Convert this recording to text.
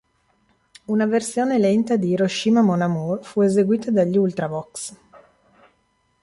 Una versione lenta di "Hiroshima mon amour" fu eseguita dagli Ultravox!